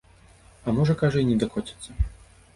А можа, кажа, і не дакоцяцца.